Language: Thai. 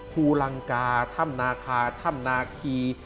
ภูลังกาถ้ำนาคาถ้ำนาคี